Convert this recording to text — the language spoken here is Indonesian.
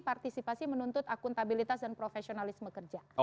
partisipasi menuntut akuntabilitas dan profesionalisme kerja